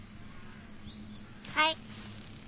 はい。